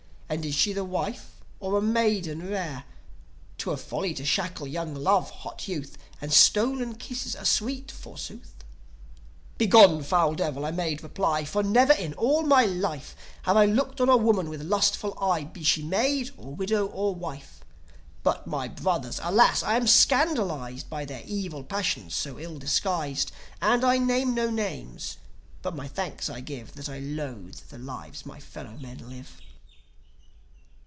And is she a wife or a maiden rare? 'Twere folly to shackle young love, hot Youth; And stolen kisses are sweet, forsooth!" "Begone, foul Devil!" I made reply; "For never in all my life Have I looked on a woman with lustful eye, Be she maid, or widow, or wife. But my brothers! Alas! I am scandalized By their evil passions so ill disguised. And I name no names, but my thanks I give That I loathe the lives my fellow men live."